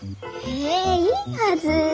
へえいいはずー